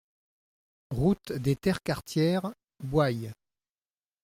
Route des Terres Quartières, Bouaye